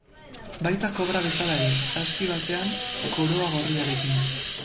Baita kobra bezala ere, saski batean, koroa gorriarekin.